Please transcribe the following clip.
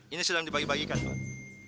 ini sudah dibagi bagikan tuan